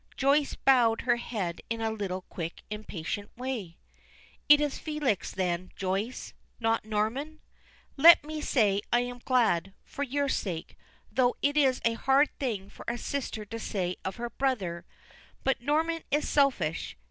Joyce bowed her head in a little quick, impatient way. "It is Felix then, Joyce; not Norman? Let me say I am glad for your sake; though that is a hard thing for a sister to say of her brother. But Norman is selfish.